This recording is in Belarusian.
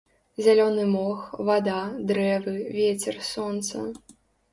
Зялёны мох, вада, дрэвы, вецер, сонца.